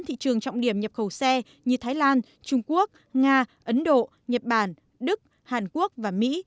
thị trường trọng điểm nhập khẩu xe như thái lan trung quốc nga ấn độ nhật bản đức hàn quốc và mỹ